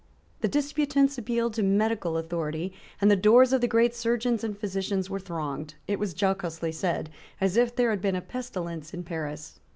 The disputants appealed to medical authority; and the doors of the great surgeons and physicians were thronged, it was jocosely said, as if there had been a pestilence in Paris.